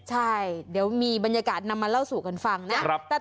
ใช่เดี๋ยวมีบรรยากาศนำมาเล่าสู่กันฟังนะ